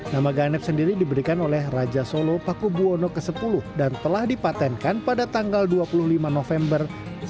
nama ganep sendiri diberikan oleh raja solo paku buwono x dan telah dipatenkan pada tanggal dua puluh lima november seribu sembilan ratus empat puluh